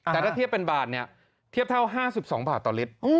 แต่ถ้าเทียบเป็นบาทเนี่ยเทียบเท่า๕๒บาทต่อลิตร